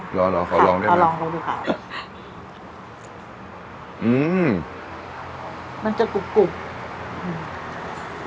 อ๋อรอขอลองได้ไหมมันจะกรุบ